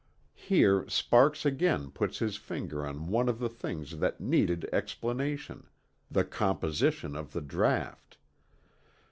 Here Sparks again put his finger on one of the things that needed explanation, "the composition of the draught."